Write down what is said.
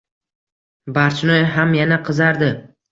Barchinoy ham yana qizardi.